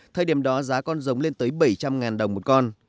thời điểm đó giá con giống lên tới bảy trăm linh đồng một con